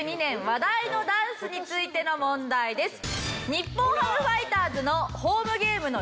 話題のダンスについての問題です。